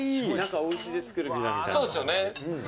おうちで作るピザみたい。